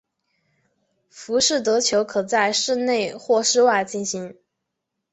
浮士德球可在室内或室外进行。